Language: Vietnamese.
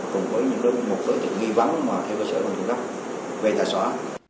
cùng với một đối tượng nghi vắng theo cơ sở công an sở về tài xóa